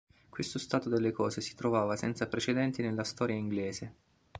Questo stato delle cose si trovava senza precedenti nella storia inglese.